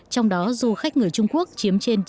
trong đó du khách người trung quốc chiếm trên chín mươi